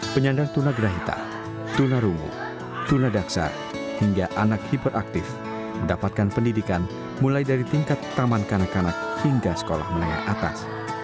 penyandang tuna grahita tunarungu tunadaksa hingga anak hiperaktif mendapatkan pendidikan mulai dari tingkat taman kanak kanak hingga sekolah menengah atas